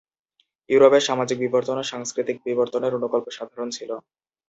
ইউরোপে সামাজিক বিবর্তন ও সাংস্কৃতিক বিবর্তনের অনুকল্প সাধারণ ছিল।